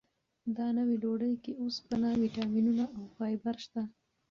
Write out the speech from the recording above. دا نوې ډوډۍ کې اوسپنه، ویټامینونه او فایبر شته.